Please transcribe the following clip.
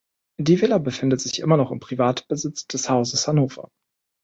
Die Villa befindet sich immer noch im Privatbesitz des Hauses Hannover.